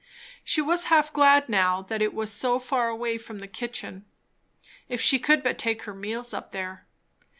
She was half glad now that it was so far away from the kitchen. If she could but take her meals up there!